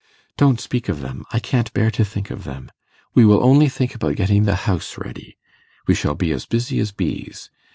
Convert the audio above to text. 'Don't speak of them I can't bear to think of them. We will only think about getting the house ready. We shall be as busy as bees.